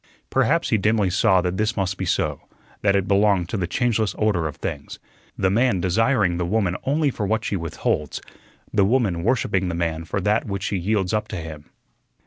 Perhaps he dimly saw that this must be so, that it belonged to the changeless order of things the man desiring the woman only for what she withholds; the woman worshipping the man for that which she yields up to him.